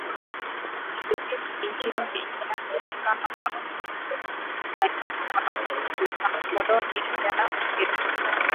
Mississippi Nchi ilianza kama mkusanyiko wa makoloni ya Uingereza